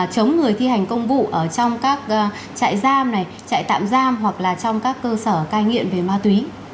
chống người thi hành công vụ ở trong các trại giam này chạy tạm giam hoặc là trong các cơ sở cai nghiện về ma túy